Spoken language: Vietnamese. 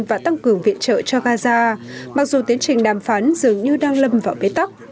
và tăng cường viện trợ cho gaza mặc dù tiến trình đàm phán dường như đang lâm vào bế tắc